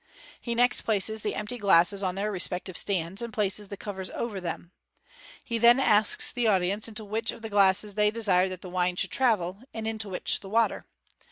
He next places the empty glasses on their respective stands, and places the covers over them. He then asks the audience into which of the glasses they desire that the wine shall travel, and into which the water.